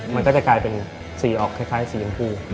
แล้วก็จะกลายเป็นสีออกคล้ายสียนตรู